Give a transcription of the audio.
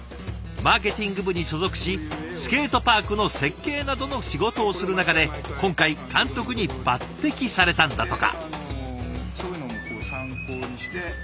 マーケティング部に所属しスケートパークの設計などの仕事をする中で今回監督に抜てきされたんだとか。